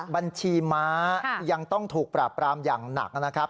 บัญชีม้ายังต้องถูกปราบปรามอย่างหนักนะครับ